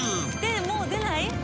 もう出ない？